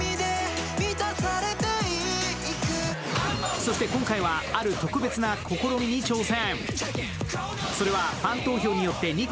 そして今回はある特別な試みに挑戦。